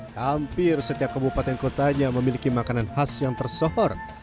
hampir setiap kabupaten kotanya memiliki makanan khas yang tersohor